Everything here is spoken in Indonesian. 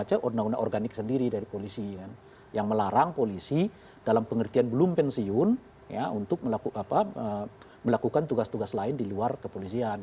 baca undang undang organik sendiri dari polisi yang melarang polisi dalam pengertian belum pensiun untuk melakukan tugas tugas lain di luar kepolisian